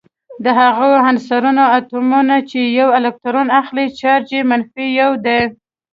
د هغو عنصرونو اتومونه چې یو الکترون اخلي چارج یې منفي یو دی.